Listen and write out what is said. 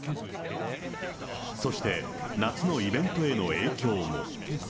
そして夏のイベントへの影響も。